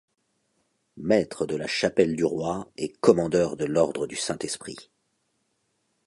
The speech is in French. Maître de la Chapelle du Roi et Commandeur de l'Ordre du Saint-Esprit.